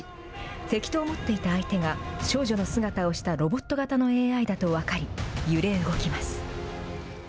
敵と思っていた相手が、少女の姿をしたロボット型のＡＩだと分かり、揺れ動きます。